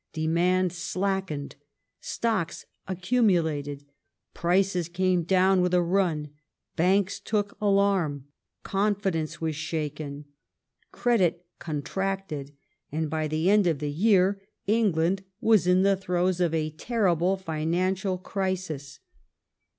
Demand slackened ; stocks accumulated ; prices came down with a run ; banks took alarm ; confidence was shaken ; credit contracted, and by the end of the year England was in the throes of a terrible financial crisis.